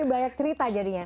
ini banyak cerita jadinya